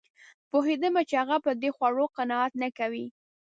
پوهېدم چې هغه په دې خوړو قناعت نه کوي